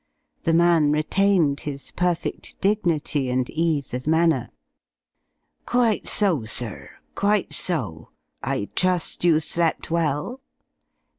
The man retained his perfect dignity and ease of manner. "Quite so, sir. Quite so. I trust you slept well."